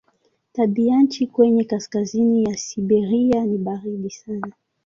Tabianchi kwenye kaskazini ya Siberia ni baridi sana.